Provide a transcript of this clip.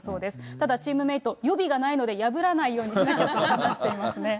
ただ、チームメート、予備がないので破らないようにしなきゃと話していますね。